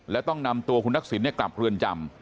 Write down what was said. และต้องนำตัวคุณทักษิณกลับเรือนจำ